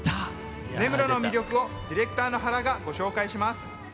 根室の魅力をディレクターの原がご紹介します。